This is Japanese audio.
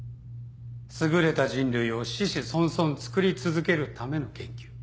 優れた人類を子々孫々つくり続けるための研究。